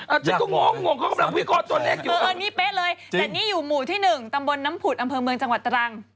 อาจจะก็ง้วงเค้ากำลังพูดกอดตัวแรกอยู่มีเป๊ะเลยแต่นี่อยู่หมู่ที่๑ตำบลน้ำผุดอำเภอเมืองจังหวัดตรัง